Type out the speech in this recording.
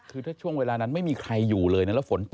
คือถ้าช่วงเวลานั้นไม่มีใครอยู่เลย